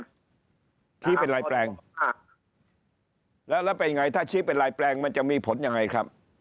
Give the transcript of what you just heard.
ชี้เป็นลายแปลงแล้วแล้วเป็นไงถ้าชี้เป็นลายแปลงมันจะมีผลยังไงครับ